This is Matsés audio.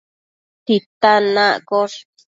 titan accosh